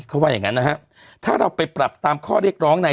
เขาว่าอย่างงั้นนะฮะถ้าเราไปปรับตามข้อเรียกร้องใน